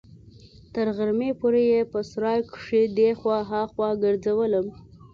تر غرمې پورې يې په سراى کښې دې خوا ها خوا ګرځولم.